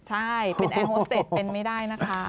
ใช่เป็นแอร์โฮสเตจเป็นไม่ได้นะคะ